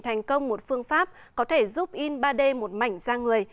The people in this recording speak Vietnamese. thành công một phương pháp có thể giúp in ba d một mảnh da người